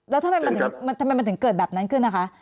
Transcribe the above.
แล้วทำไมมันถึงเกิดแบบนั้นขึ้นนะคะ